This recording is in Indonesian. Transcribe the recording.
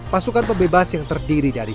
pasukan pembebas yang terdiri dari